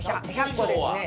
１００個ですね。